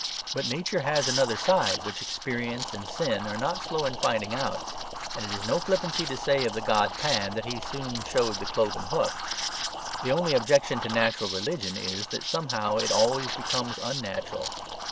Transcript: But Nature has another side which experience and sin are not slow in finding out, and it is no flippancy to say of the god Pan that he soon showed the cloven hoof. The only objection to Natural Religion is that somehow it always becomes unnatural.